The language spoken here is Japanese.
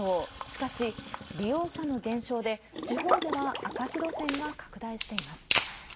しかし、利用者の減少で地方では赤字路線が拡大しています。